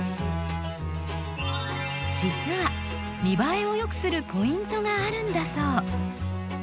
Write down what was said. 実は見映えを良くするポイントがあるんだそう。